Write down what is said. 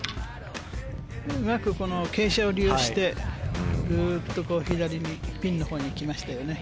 うまく傾斜を利用してグッと左にピンのほうに来ましたよね。